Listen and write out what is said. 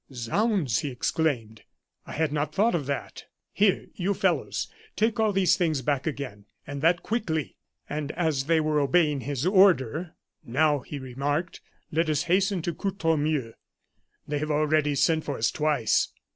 "Zounds!" he exclaimed. "I had not thought of that. Here, you fellows, take all these things back again, and that quickly!" And as they were obeying his order: "Now," he remarked, "let us hasten to Courtornieu. They have already sent for us twice.